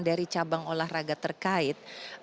dari cabang olahraga terkait